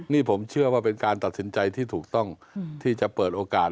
นี่ผมเชื่อว่าเป็นการตัดสินใจที่ถูกต้องที่จะเปิดโอกาส